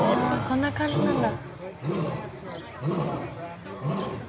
こんな感じなんだ。